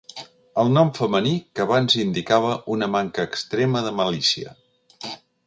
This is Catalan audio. El nom femení que abans indicava una manca extrema de malícia.